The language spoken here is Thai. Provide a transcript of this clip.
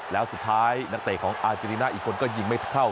แล้วสุดท้ายนักเตะของอาเจริน่าอีกคนก็ยิงไม่เท่า